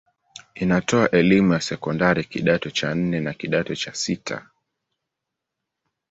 Inatoa elimu ya sekondari kidato cha nne na kidato cha sita.